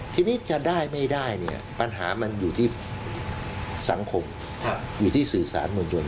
ทีนี้จะได้ไม่ได้เนี่ยปัญหามันอยู่ที่สังคมอยู่ที่สื่อสารมวลชน